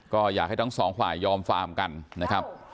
ก็อยากให้ทั้งสองฝ่ายยอมฟาร์มกันนะครับ